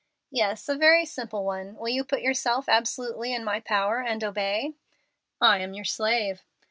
"Yes, a very simple one. Will you put yourself absolutely in my power and obey?" "I am your slave."